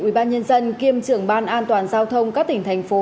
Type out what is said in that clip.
quỹ ban nhân dân kiêm trưởng ban an toàn giao thông các tỉnh thành phố